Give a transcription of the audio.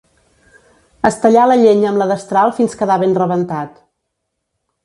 Estellar la llenya amb la destral fins quedar ben rebentat.